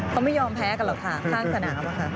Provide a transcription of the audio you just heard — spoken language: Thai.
เขาไม่ยอมแพ้กันหรอกค่ะข้างสนามอะค่ะ